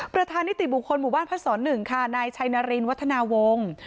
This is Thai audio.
ประธานิติบุคลหมู่บ้านพัฒนศ์ส่วนหนึ่งไนท์ชัยนารินวัฒนาวงศ์